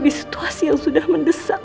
di situasi yang sudah mendesak